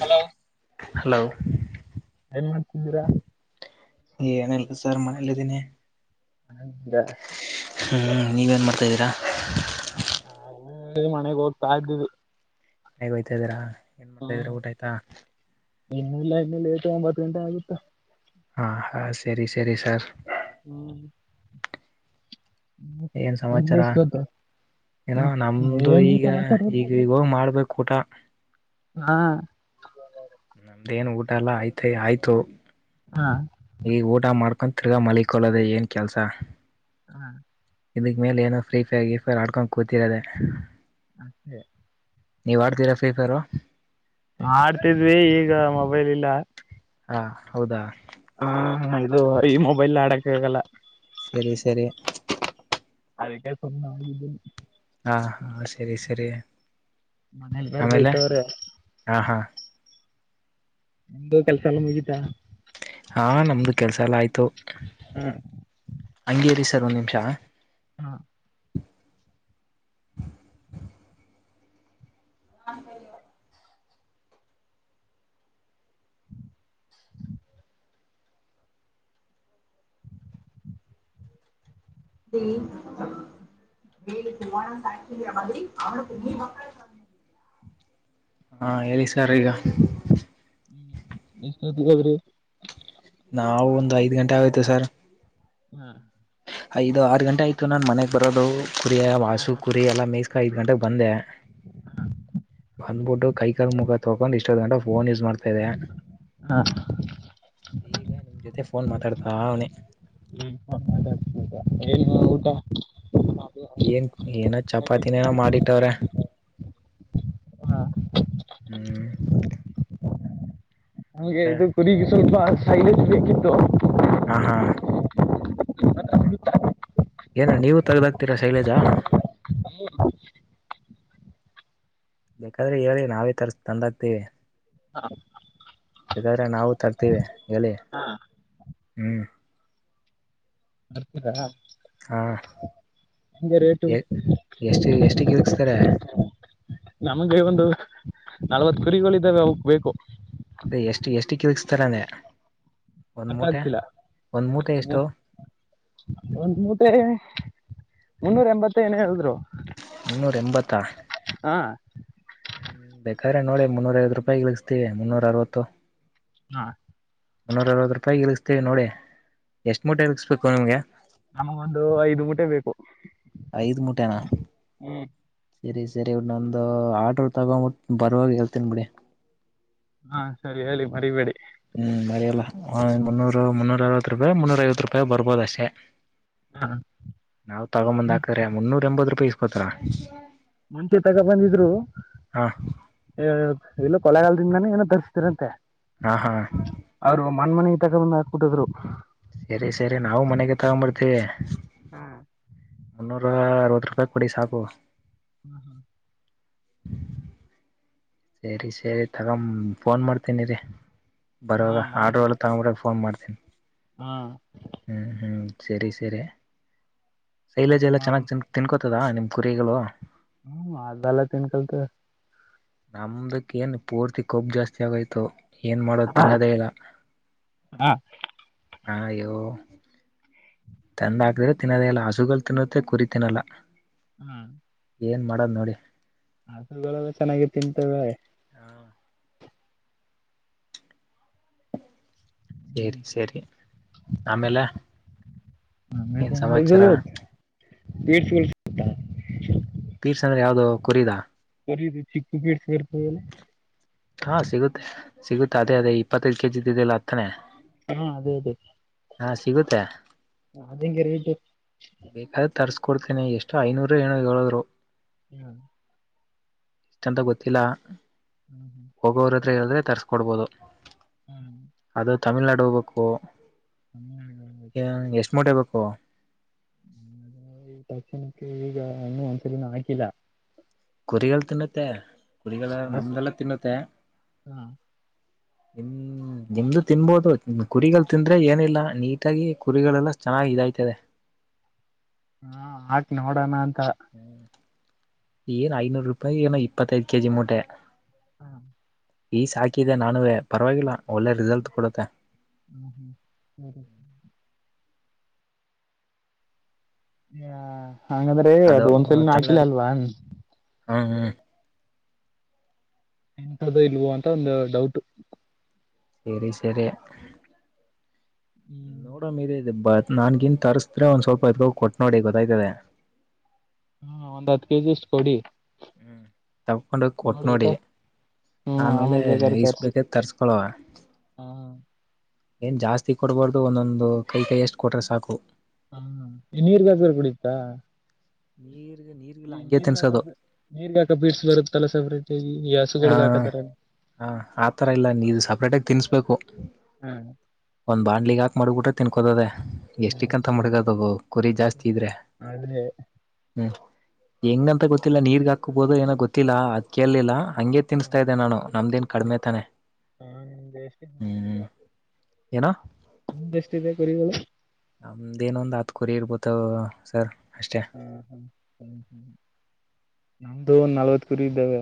Hello hello ಏನ್ ಮಾಡ್ತಿದ್ದೀರಾ ಏನಲ್ಲ ಸರ್ ಮನಲ್ಲಿದನೇ ಮನೇಲ್ ಇದ್ದೀರಾ ಹಞ ನೀವೇನು ಮಾಡ್ತಾಇದ್ದೀರಾ ನ ಮನೆಗ್ ಹೋಗ್ತಾ ಇದ್ದು ಮನೆಗೆ ಹೋಯ್ತದೀರಾ ಏನು ಮಾಡ್ತಾಯಿದ್ರ ಊಟ ಆಯ್ತಾ ಇನ್ನಲ್ಲ ಇನ್ನ ಲೇಟ್ ಒಂಬತ್ತು ಗಂಟೆ ಆಗುತ್ತಾ ಹಾ ಹಾ ಸರಿ ಸರಿ ಸರ್ ಹ್ಮ್ ಏನ್ ಸಮಾಚಾರ ನಿಮ್ದೆಷ್ಟು ಗೊತ್ತು ಏನೋ ನಮ್ದು ಏನು ಈಗ ಸಮಾಚಾರ ಇಲ್ಲ ಈಗ ಈಗ ಹೋಗಿ ಮಾಡ್ಬೇಕು ಊಟ ಹಾ ನಮ್ದೇಏನ್ ಊಟ ಎಲ್ಲ ಆಯ್ತ ಆಯ್ತು ಹಾ ಈಗ ಊಟ ಮಾಡ್ಕ ಹಗ ಮಲಿಕೊಳ್ಳದೆ ಏನ್ ಕೆಲಸ ಹ್ಮ ಇದಕ್ಕೆ ಮೇಲೆ ಏನೋ ಫ್ರೀ ಫೈರ್ ಗಿ ಫೈರ್ ಆಡ್ಕೊಂಡುೂತಿರೋದೆ ಅಷ್ಟೇ ನೀವ್ ಆಡ್ತರಾ ಫ್ರೀಕರ ಆಡ್ತಿದ್ವಿ ಈಗ ಮೊಬೈಲ್ ಇಲ್ಲ ಹಾ ಹೌದಾ ಹಾ ಇದು ಈ ಮೊಬೈಲ್ ಆಡಕ್ ಆಗಲ್ಲ ಸರಿ ಸರಿ ಅದಕ್ಕೆ ಸುಮ್ನೆ ಮಲಗಿದ್ದೀನಿ ಹಾ ಹಾ ಸರಿ ಸರಿ ಮನೇಲಿ ಬೇರೆ ಆಮೇಲೆ ಬೈತವ್ರೆ ಹಾ ಹಾ ನಿಮ್ದು ಕೆಲಸ ಎಲ್ಲ ಮುಗಿತಾ ಹಾ ನಮ್ದು ಕೆಲ್ಸ ಎಲ್ಲ ಆಯ್ತು ಹಾ ಹಂಗೀ ಸರ್ ಒಂದು ನಿಮಿಷ ಹಾ ನನ್ ಸರಿ [inaudible] ಹಾ ಹೇಳಲ್ಲಿ ಸರ್ ಈಗ [inaudible] ಎಷ್ಟೊತ್ಗ್ ಹೋಗ್ರಿ ರೀ ನಾವು ಒಂದು ಐದು ಗಂಟೆ ಆಯಿತು ಸರ್ ಹ್ಮ್ ಐದು ಆರು ಗಂಟೆ ಆಯಿತು ನಾನು ಮನೆಗೆ ಬರೋದು ಕುರಿಯ ಮಾಸು ಕುರಿ ಎಲ್ಲ ಮಿಕ್ಸ್ ಐದ್ ಗಂಟೆಗೆ ಬಂದೆ ಬಂದ್ಬಿಟ್ಟು ಕೈಕಾಲ್ ಮುಖ ತಕೊಂಡು ಇಷ್ಟೊ್ ಗಂಟ ಫೋನ್ ಯೂಸ್ ಮಾಡ್ತಾ ಇದೆ ಹಾ ಈಗ ನಿಮ್ ಜೊತೆ ಫೋನ್ ಮಾತಾಡ್ತಾ ಅವನೇ. [unintelligible] ಏನ್ ಹ್ಮ್ ಊಟ ಏನ್ ಏನ ಚಪಾತಿನೇನ ಮಾಡಿಟ್ಟವ್ರೆ ಹಾ ಹ್ಮ್. ನಮ್ಗೆ ಆಮೇಲೆ ಇದು ಕುರಿಗ ಸ್ವಲ್ಪ ಸೈಲೆನ್ಸ್ ಬೇಕಿತ್ತು ಹಾ ಹಾ ಏನ ನೀವು ತಗದಾತ್ರೀರಾ ಶೈಲಜಾ. [unintelligible] ಬೇಕಾದ್ರೆ ಹೇಳಿ ನಾವೇ ತರಸಿ ತಂದಾಗತೇವಿ. ಹ ಇದಾದ್ರೆ ನಾವು ತರ್ತೀವಿ. ಎಲಿ ಹ್ಮ್ ಬರ್ತೀರಾ ಹಾ ಹಂಗೆ ರೇಟು ಎ ಎಷ್ಟು ಎಷ್ಟಕ್ಕೆ ಇಲ್ಸ್ತಾರೆ ನಮಗೆ ಒಂದು ನಲವತ್ತ ಕುರಿಗಳು ಇದ್ದಾವೆ ಅವಕ್ ಬೇಕು. ಎಷ್ಟು ಎಷ್ಟ [unintelligible] ತರಾನೇ. ಅರ್ಥ ಆಗ್ತಿಲ್ಲ ಎಷ್ಟು ಒಂದು ಮೂಟೆ ಮುನ್ನೂರಎಂಬತ್ತ ಏನ್ ಹೇಳಿದ್ರು. ಮುನ್ನೂರಎಂಬತ್ತಾ. ಹಾಂ ಹ್ಮ್ ಬೇಕಾರೆ ನೋಡಿ ಮುನ್ನೂರ ಐವತ್ತು ರೂಪಾಯಿಗ ಇಳಸ್ತೀವಿ ಮುನ್ನೂರ ಅರವತ್ತು. ಹಾ ಮುನ್ನೂರ ಅರವತ್ತು ರೂಪಾಯಿಗೆ ಇಳಸ್ತೀವಿ ನೋಡಿ ಎಷ್ಟು ಮೂಟೆ ಇಸ್ಸ್ಬೇಕು ನಿಮ್ಗೆ. ನಮಗೊಂದು ಐದು ಮೂಟೆ ಬೇಕು ಐದು ಮೂಟೆನಾ ಹ್ಞೂ ಸರಿ ಸರಿ ನಂದು ಆರ್ಡರ್ ತೊಗೊಂಡ ಬರುವಾಗ ಹೇಳ್ತೀನ್ ಬಿಡಿ. ಹಾ ಸರಿ ಹೇಳಿ ಮರಿಬೇಡಿ. ಹ್ಮ್ ಮರಿಯಲ್ಲ ಮುನ್ನೂರು ಮುನ್ನೂರ ಅರವತ್ತ ರೂಪಾಯಿ. ಮುನ್ನೂರ ಐವತ್ತು ರೂಪಾಯಿ ಬರ್ಬೋದ ಅಷ್ಟೇ. ಹಾಂ ನಾವು ಹ್ಮ್. ತಗೊಂಬಂದಾಕ್ರೆ ಮುನ್ನೂರ. ಎಂಬ ರೂಪಾಯಿ ಇಸ್ಕಾ ಮುಂಚೆ ತೇಗ ಬಂದಿದ್ರು ಹಾ ಇಲ್ಲಪ್ಪಾ. ಕೊಳಗಾಲದಿಂದನೇ ಏನೋ ತರಿಸ್ತೀರಂತೆ. ಹಾ ಹಾ ಅವರು ಮನ್ ಮನೆ. ತಗೊಂಡ್ ಬಂದ್ ಹಾಕಿಟ್ಟಿದ್ರು ಸರಿ ಸರಿ ನಾವು ಮನೆಗೆ ತಗೊಂಡ್ ಬರ್ತೀವಿ [unintelligible] ಮುನ್ನೂರ ಅರವತ್ತು ರೂಪಾಯಿ ಕೊಡಿ ಸಾಕು [unintelligible] [unintelligible] ಸರಿ ಸರಿ ತಗೊ ಫೋನ್ ಮಾಡ್ತೇನಿರಿ ಬರುವವಾಗ ಆಟೋ ಎಳತಗೊ ಫೋನ್ ಮಾಡ [unintelligible] ಹಾ ಸರಿ ಸರಿ ಶೈಲಜ್ ಎಲ್ಲ ಮಾಡಿ ಚೆನ್ನಾಗಿ ತಿನ್ಕೋತದ ನಿಮ ಕುರಿಗಳೋ ಹ್ಮ ಅದ ಎಲ್ಲಾ ತಿನ್ಕೋಟವೇ ನಮ್ದಕ್ ಏನ್ ಪೂರ್ತಿ ಕೊಬ್ಬು ಜಾಸ್ತಿ ಆಗೋಯ್ತು ಏನ್ ಮಾಡೋ ತಿನ್ನೋದೇ ಇಲ್ಲ ಹಾಂ ಆಯ್ಯೋ ತಂದ ಹಾಕಿದ್ರೆ ತಿನ್ನದೇಲ್ಲ ಹಸುಗಳು ತಿನ್ನುತ್ತೆ ಕುರಿ ತಿನ್ನಲ್ಲ ಹ್ಮ್ ಏನ್ ಮಾಡೋದ್ ನೋಡಿ ಆಕಳು ಗಳೆಲಾ ಚೆನ್ನಾಗಿ ತಿಂತವೆ ಹ ಸರಿ ಸರಿ ಆಮೇಲೆ ಏನ್ ಆಮೇಲೆ ಇದು ಸಮಾಚಾರ ಗಳು ಸಿಗುತ್ತಾ ಪೀಸ್ ಅಂದ್ರೆ ಯಾವ್ದ ಕುರೀದಾ ಕುರಿದು ಚಿಕ್ ಪೀಸ್ ಬರ್ತದ ಹಾ ಸಿಗುತ್ತೆ ಸಿಗುತ್ತೆ ಅದೇ ಅದೇ ಇಪ್ಪತ್ತೈದು ಕೆಜಿ ಇದೆಯಲ್ಲ ಆದ ತಾನೇ ಹಾ ಅದೇ ಅದೇ ಹಾ ಸಿಗುತ್ತೆ ಹ ಅದೆಂಗೆ ರೇಟು ಕೊಡ್ತೇನೆ ಎಷ್ಟು ಐನೂರು ಏನೋ ಹೇಳಿದ್ರು ಹ್ಮ್ ಎಷ್ಟೆಂತ ಗೊತ್ತಿಲ್ಲ ಹೋಗೋರ [unintelligible] ಹತ್ರ ಹೇಳಿದ್ರೆ ತರಿಸ್ಕೊಡ್ಬೋದು ಅದು ತಮಿಳ್ನಾಡು ಹೋಗ್ಬೇಕು ಹ ಹ್ಮ್ ಎಷ್ಟ ಮೂಟೆ ಬೇಕು [unintelligible] ಕುರಿಗಳು ತಿನ್ನತ್ತೆ ಕುರಿಗಳ ಹಾಕು ನಮ್ದಲ್ಲ ತಿನ್ನುತ್ತೆ ಹಾ ನಿಮ ನಿಮ್ದು ತಿನ್ಬೋದು ಕುರಿಗಳು ತಿಂದ್ರೆ ಏನಿಲ್ಲ ನೀಟಾಗಿ ಕುರಿಗಳೆಲ್ಲ ಚೆನ್ನಾಗಿ ಇದಾಯ್ತದೆ ಹಾಕಿ ನೋಡೋಣ ಅಂತ [unintelligible] ಏನು ಐನೂರು ರೂಪಾಯ ಏನೋ ಇಪ್ಪತ್ತೈ ಐದು ಕೆ ಜಿ ಮೂಟೆ [unintelligible] ಈಸಿ ಹಾಕಿದೆ ನಾನುವೇ ಪರವಾಗಿಲ್ಲ ಒಳ್ಳೆ ರಿಸಲ್ಟ್ ಕೊಡುತ್ತೆ ಹ್ಮ್ ಹಾ ಹಂಗಂದ್ರೆ ಅದ ಒಂದ್ಸಲನ ಹಾಕಿಲ್ಲ ಅಲ್ವಾ ಹ್ಮ ಹ್ಮ್ ಎಂತದ್ದು ಇಲ್ವೋ ಅಂತ ಒಂದು ಡೌಟ್ ಸರಿ ಸರಿ [unintelligible] ನಾನ್ಗಿನ್ನೂ ತರ್ಸಿದ್ರೆ ಒಂದ್ ಸ್ವಲ್ಪ ಎತುಕೊಂಡು ಹೋಗಿ ಕೊಟ್ ನೋಡಿ ಗೊತ್ತಾಯ್ತದೆ ಹ್ಮ ಒಂದ್ ಹತ್ತು ಕೆಜಿ ಇಷ್ಟು ಕೊಡಿ ಹ್ಮ್ ತಪ್ಕೊಂಡ ಹೋಗಿ ಕೊಟ್ ನೋಡಿ ನೋಡ್ಬಿಟ್ಟು ಹ್ಮ್ ಆಮೇಲೆ ಆಮೇಲ್ ಬೇಕಾರೆ ತೋರ್ಸಿ ಇಸ್ಬೇಕೇ ತರ್ಸ್ಕ ಹಲೋ ಹಾ ಹಾ ಏನ್ ಜಾಸ್ತಿ ಕೊಡ್ಬಾರ್ದು ಒಂದೊಂದು ಕೈ ಕೈ ಎಷ್ಟು ಕೊಟ್ರೆ ಸಾಕು ಹ್ಮ ನೀರಿಗೆ ಹಾಕಿದ್ರೆ ಕುಡಿಯುತ [unintelligible] ಈ ಹಂಗೆ ತಿನ್ಸೋದು ನೀರಿಗೆ ನೀರಿಗೆ ಹಾಕೋ ಬೀಟ್ಸ್ ಬರುತಲ್ಲ [unintelligible] ಹ ಹ ಆತರ ಇಲ್ಲ ನೀದು ಸಪ್ರೇಟಗಿ ತಿನಿಸಬೇಕು ಹಾ ಒಂದ್ ಬಾಣ್ಲಿಗ್ ಹಾಕ್ ಮಾಡಗಿಬಿಟ್ಟರೆ ತಿನ್ನಕೋದೆ ಎಷ್ಟಕ್ಕಂತ ಮಡಗದ ಕುರಿ ಜಾಸ್ತಿ ಇದ್ರೆ ಅದೇ ಹ್ಮ್ ಹೆಂಗಂತ ಗೊತ್ತಿಲ್ಲ ನೀರಿಗೆ ಹಾಕಬೋದು ಏನ ಗೊತ್ತಿಲ್ಲಾ ಅದ್ ಕೇೇಳಲಿಲ್ಲ ಹಂಗಗೆ ತಿನ್ನಿಸತಾ ಇದ್ದೆ ನಾನು ನಮ್ದೇನ್ ಕಡಿಮೆ ತಾನೆ ನಿಮ್ದ ಎಷ್ಟ ಹ್ಮ್ ಏನು ನಿಂದು ಎಷ್ಟಿದೆ ಕುರಿಗಳು ನಮ್ದ ಏನು ಒಂದು ಹತ್ತು ಕುರಿ ಇರ್ಬೋದು ಸರ್ ಅಷ್ಟೇ [unintelligible] ನಮ್ದು ಒಂದು ನಲ್ವತು ಕುರಿಇದಾವೆ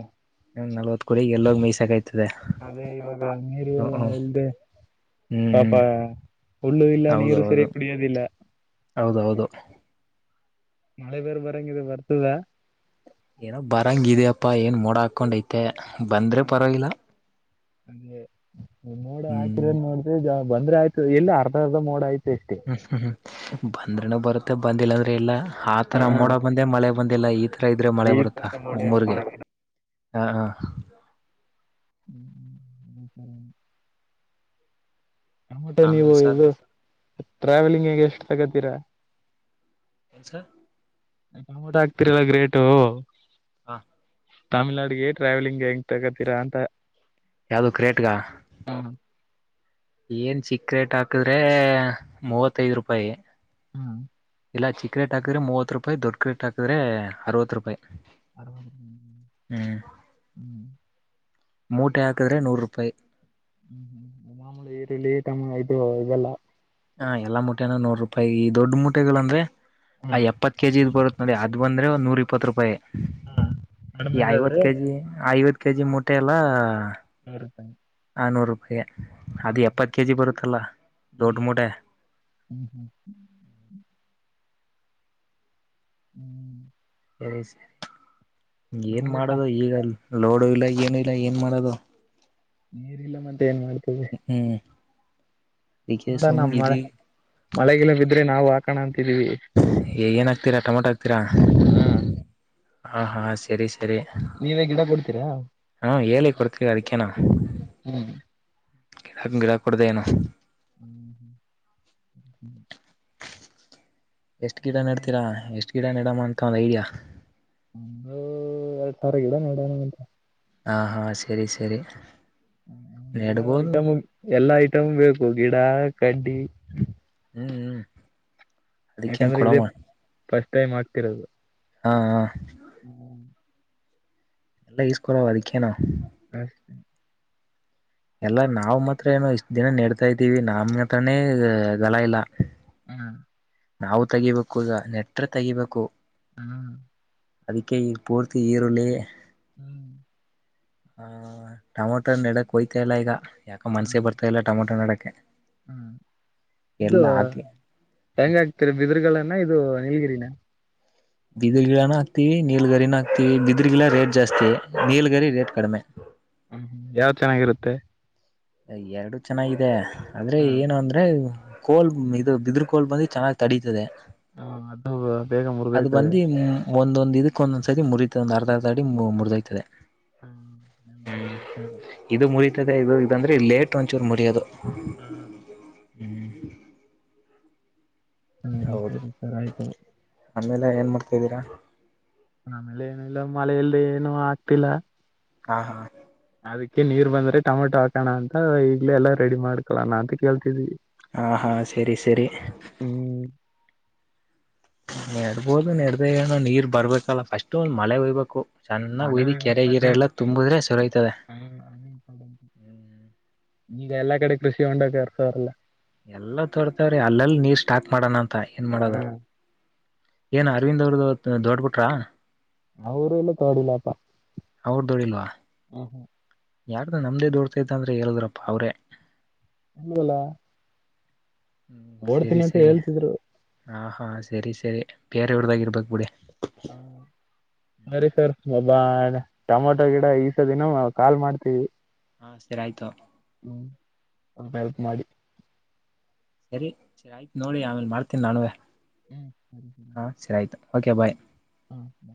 ನಲ್ವತ್ ಕುರಿ ಎಲ್ಲೋಗ್ ಮೀಸಾಕಾಯ್ತದೆ ಅದೇ ಇವಾಗ ನೀರುಲ್ಲ ಹ್ಮ್ ಇಲ್ಲದೆ ಪಾಪ ಹ್ಮ್ ಹುಲ್ಲು ಇಲ್ಲ ನೀರು ಸರಿ ಹೌದೌದು ಕುಡಿಯೋದಿಲ್ಲ ಹೌದೌದು ಮಳೆ ಬೇರ್ ಬರಂಗಿದೆ ಬರ್ತದ ಏನೋ ಬರಂಗಿದ್ಯಪ್ಪಾ ಏನ್ ಮೋಡ ಹಾಕೊಂಡ್ ಐತೆ ಹಾ ಅದೇ ನೀ ನೋಡ ಹ್ಮ್ ಹಾಕಿರೋದು ನೋಡತವಿ ಜಾ ಬಂದ್ರೆಯ್ತು ಎಲ್ಲಿ ಅರ್ಧ ಅರ್ಧ ಮೋಡ ಆಯತು ಹ್ಮ್ ಹ್ಮ್ ಹ್ಮ್ ಬಧ್ರನ ಬರ್ತ್ ಇ ಬಂದಿಲ್ಲ ಅಂದ್ರೆ ಎಲ್ಲ ಆತರ ಮೋಡ ಬಂದೆ ಮಳೆ ಬಂದಿಲ್ಲಲ್ಲ ಈದ್ ತ್ರ ಇದ್ರೆ ಈ ಮಳೆ ಬರುತ್ತಾ ತರ ಮೋಡಿಯಲ್ಲಿ ನಮ್ಮೂಗೆ ಮಾಡಕಿನ ಹಾ ಹಾ ಹ್ಮ್ ಹ್ಮ್ ಸರಿ ಆಮಟ ನೀವು ಆಮೇಲ್ ಸರ್ ಇದು ಟ್ರಾವೆಲಿಂಗ್ ಹಗೆ ಎಷ್ಟು ತಗತಿ ತಿರ ಹಸ ಟಮೋಟ ಹಕ್ತಿರಲ್ಲ ಗ್ರೇಟು ಹಾ ತಮಿಳ್ನಾಡಗೆ ಟ್ರಾವೆಲಿಂಗ್ಗೆ ತಗತೀರಾ ಅಂತ ಯಾವ್ದು ಕ್ರೇಟ್ಗ ಹ್ಮ ಏನ್ ಚಿಕ್ರೆಟ್ ಹಾಕಿದ್ರೆ ಮೂವತ್ತೈದ್ ರೂಪಾಯಿ ಹ್ಮ್ ಇಲ್ಲ ಚಿಕ್ ರೇ ಹಾಕ್ರೆ ಮೂವತ್ತು ರೂಪಾಯಿ ದೊಡ್ಡು ರೇಟ್ ಹಾಕಿದೆ ಅರವತ್ತು ರೂಪಾಯಿ ಆ ಹ್ಮ ಹ್ಮ್ ಹ್ಮ್ ಮೂಟೆ ಹಾಕಿದ್ರೆ ನೂರು ರೂಪಾಯಿ ಹ್ಮ್ ಹ್ಮ್ ಮಾಮೂಲಿ ಈರುಳ್ಳಿಟಮ್ಮ ಇದು ಇದೆಲ್ಲಾ ಹಾ ಎಲ್ಲಾ ಮುಟೆನ ನೂರ್ ರೂಪಾಯಿ ಈ ದೊಡ್ ಮುಟೆಗಳ ಅಂದ್ರೆ ಆ ಹ್ಮ್ ಎಪ್ಪತ್ ಕೆ ಜಿ್ ಬರುತ್ ನೋಡಿ ಅದ್ ಬಂದ ಅಂದೆ ಒ ನೂ ಇಪ್ಪ ರೂಪಾಯಿ ಈ ಐವತ್ತು ಕಡಿಮೆದಾದ್ರೆ ಕೆಜಿ ಐವತ್ತು ಕೆ ಜಿ ಮುಟ್ಟೆ ಎಲ್ಲ ಇರುತ ಅನ್ನೂರು ರೂಪಾಯಾ ಅದು ಎಪ್ಪತ್ತು ಕೆ ಜಿ ಬರುತ್ತಲ್ಲ ದೊಡ್ಡ ಹ್ಮ್ ಹ್ಮ್ ಹ್ಮ್ ಸರಿ ಸರಿ ಏನ್ ನಮಗೂಟ ಮಾಡದು ಈಗಲ್ ಲೋಡು ಇಲ್ಲ ಏನು ಇಲ್ಲ ಏನ್ ಮಾಡೋದು ನೀರಿ ಇಲ್ಲ ಮ ಏನ್ ಮಾಡ್ತದೆ ಹ್ಮ್ ಅದಕ್ಕೆ ನೋಡೋಣ ಸುಮ್ಗ ಮಳೆ ಇದಿ [inaudible] ಮಳೆಗಿಳೆ ಬಿದ್ರೆ ನಾವು ಆ ಕಣ ಏನಾಕ್ತೀರಾ ಟೊಮಟೊ ಹಕ್ತೀರಾ ಹ ಹ ಹಾ ಸರಿ ಸರಿ ನೀವೇ ಗಿಡ ಕೊಡ್ತೀರಾ ಹಾ ಹೇಳಿ ಕೊಡ್ತೀವಿ ಅದಕ್ಕೇನಾ ಹ್ಮ್ ಗಿಡಾ ಗಿಡಾ ಕೊಡ್ದ ಏನ ಹ್ಮ್ ಹ್ಮ್ ಹ್ಮ್ ಎಷ್ಟು ಗಿಡ ನಡ್ತೀರಾ ಎಷ್ಟ ಇಡನ್ ಇಡಮ ಅಂತ ಒಂದು ಐಡಿಯ ಓ ಎರಡು ತರ ಗಿಡ ನೆಡುವ ಅಂತ ಹಾ ಹಾ ಸರಿ ಸರಿ ಎಲ್ಲ ನೆಡ್ಬೋದು ಐಟಮ್ ಎಲ್ಲಾ ಐಟಮ್ ಬೇಕು ಗಿಡ ಕಡ್ಡಿ ಹ್ಮಞ್ಮ ಯಾಕಂದ್ರೆ ಇದೇ ಫಸ್ಟ್ ಟೈಮ್ ಆಗ್ತಿರೋದು ಹಾ ಹಾ ಹ್ಮ್ ಎಲ್ಲ ಯೂಸ್ಕಳಲ್ಲ ಅದಕ್ಕೆನಾವು ಪಸ್ಟ್ ಎಲ್ಲ ನಾವು ಮಾತ್ರ ಏನೋ ಇಷ್ಟ್ ದಿನ ನಡ್ತಾ ಇದ್ದೀವಿ ನಮ್ ಮಾತ್ರಾನೇ ಗಲ ಇಲ್ಲ ಹ್ಮ ನಾವು ತೆಗಿಬೇಕು ಈಗ ನೆಟ್ರ ತೆಗಿಬೇಕು ಹ್ಮ್ ಅದಕ್ಕೆ ಈ ಪೋರ್ತಿ ಈರುಳ್ಳಿ ಹ್ಮ್ ಹ ಟಮಾಟ ನೆಡಕ್ ಹೋಯ್ತಾ ಇಲ್ಲ ಈಗ ಯಾಕೋ ಮನಸೆ ಬರ್ತಇಲ್ಲ ಟಮಟೋ ನೆಡಕ್ ಓಕೆ ಹ್ಮ್ ಇದು ಹೆಂಗ ಆಗ್ತರಿ ಬಿದರ್ಗಗಳನ ಇದು ನೀಲ್ಗಿರಿನ ಬಿದರು ಗಿಡಾನ ಹಾಕ್ತಿವಿ ನೀಲ್ಗಾರಿನ ಹಾಕ್ತೀವಿ ಬಿದ್ರ ಗಿಡಾ ರೇಟ್ ಜಾಸ್ತಿ ನೀಲಗರಿ ರೇಟ್ ಕಡಿಮೆ ಯಾವ ಚೆನ್ನಾಗಿರುತ್ತೆ ಎರಡು ಚೆನ್ನಾಗಿದೆ ಅಂದ್ರೆ ಏನ ಅಂದ್ರೆ ಕೋಲ್ ಇ ಬಿದ್ರ ಕೋಲ್ ಬಂದು ಚೆನ್ನಾಗ್ ತಡತದೆ ಹಾ ಅದು ಬೇಗ ಮುರುಗೈತದೆ ಬಂದು ಒಂದೊಂದ್ ಇದಕ್ಕ ಒಂದೊಂದ್ ಸರಿ ಮುರತದ ಒಂದು ಅರ್ಧ ಅರ್ಧ ಅಡಿ ಮುರಿದಯ್ತದೆ ಹ್ಮ್ ಇದು ಮುರಿ ಇ ಇದು ಇದಂದ್ರೆ ಲೇಟ್ ಒಂಚೂರು ಮುಡರಿಯೋದು [unintelligible] ಹ್ಮ್ ಹೌದು [unintelligible] ಆಯ್ತು ಆಮೇಲೆ ಏನು ಮಾಡ್ತಾದ್ದೀರಾ ಆಮೇಲೆ ಏನ ಇಲ್ಲ ಮಳೆಯಲ್ಲಿ ಏನು ಆಗ್ತಿಲ್ಲಾ ಹಾ ಹಾ ಅದಕ್ಕೆ ನೀರ್ ಬಂದ್ರೆಟಮೆಟೊ ಹಾಕೋಣ ಅಂತ ಈಗ್ಲೇ ಎಲ್ಲಾ ರೆಡಿ ಮಾಡ್ಕೊಳ ನಾ ಅಂತ ಕೇಳ್ತಿದ್ವಿ ಹಾ ಹಾ ಸರಿ ಸರಿ ಹ್ಮ್ ನೆಡ್ಬೋದು ನೆಡ್ದ ಏನೋ ನೀರ್ ಬರ್ಬೇಕಲ್ಲ ಫಸ್ಟ್ ಒಂದು ಮಳೆ ಹೊಯ್ಬೇಕು ಚೆನ್ನಾಗ ಮಳೆ ಉಯ್ದಿ ಹೋಗ್ಬೇಕು ಕೆರೆಗಿರೆ ಅದೇ ಎಲ್ಲ ತುಂಬುದ್ರೆ ಸರಿಹೊಯ್ತದೆ ಹ್ಮ್ ಹ್ಮ್ ಈಗ ಎಲ್ಲಾ ಕಡೆ ಕೃಷಿ ಹೊಂಡ ಅರ್ಸವ್ರಲ್ಲ ಎಲ್ಲ ತೋರ್ತೇವ್ರೀ ಅಲ್ಲೆಲ್ಲಿ ನೀರ ಸ್ಟಾಕ್ ಮಾಡೋಣಂತ ಮತ್ತ ಏನ್ ಹಾ ಮಾಡೋದ ಏನ್ ಅರವಿಂದ್ ಅವದ್ದ ದೊಡ್ಡ [unintelligible] ಅವ ಊರು ಇಲ್ಲ ತೋಡಿಲಪ್ಪ ಅವ್ರ ದೊಡಿಲ್ವಾ ಹ ಹ್ಮ ಯಾರ್ದು ನಮ್ದ ದೋಡ್ತದ ಅಂದ್ರೆ ಹೇಳುದ್ರಪ್ಪ ಅವ್ರೆ [unintelligible] ಹ್ಮ್ ಸರಿ ಓಡ್ತೀನಿ ಅಂತ ಸರಿ ಹೇಳ್ತಿದ್ರು. ಹಾ ಹಾಂ ಸರಿ ಸರಿ ಬೇರೆವ್ರ್ದಾಗಿರ್ಬೇಕ ಬಿಡಿ ಅರಿ ಸರ್ ಒಬ್ಬಾ ಟೊಮಾಟೊ ಗಿಡ ಈಸ ದಿನ ಕಾಲ್ ಮಾಡ್ತೀವಿ ಹಾ ಸರಿ ಆಯ್ತು ಹ್ಮ್ ಸ್ವಲ್ಪ ಹೆಲ್ಪ್ ಮಾಡಿ ಸರಿ ಸರಿ ಆಯ್ತು ನೋಡಿ ಆಮೇಲೆ ಮಾಡ್ತೀನಿ ನಾನುವೇ [unintelligible] ಓಕೆ ಬಾಯ್ ಹ್ಮ್ ಹ್ಮ